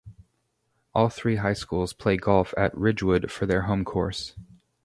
All three high schools play golf at Ridgewood for their home course.